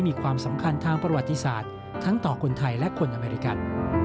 มีความสำคัญทางประวัติศาสตร์ทั้งต่อคนไทยและคนอเมริกัน